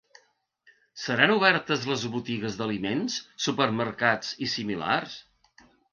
Seran obertes les botigues d’aliments, supermercats i similars?